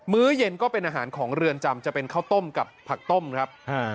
ื้อเย็นก็เป็นอาหารของเรือนจำจะเป็นข้าวต้มกับผักต้มครับ